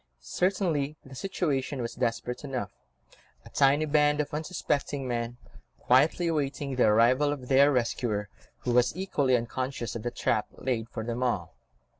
Certainly the situation was desperate enough; a tiny band of unsuspecting men, quietly awaiting the arrival of their rescuer, who was equally unconscious of the trap laid for them all.